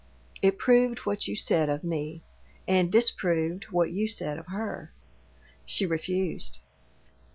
It proved what you said of me, and disproved what you said of her. She refused."